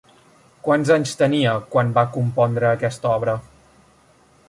Quants anys tenia quan va compondre aquesta obra?